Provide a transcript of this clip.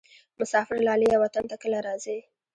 مسافر لالیه وطن ته کله راځې؟